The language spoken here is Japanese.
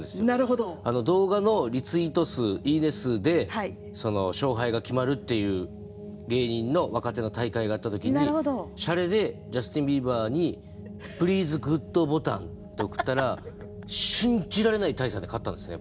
動画のリツイート数いいね数で勝敗が決まるっていう芸人の若手の大会があった時にシャレでジャスティンビーバーに「プリーズグッドボタン」って送ったら信じられない大差で勝ったんですね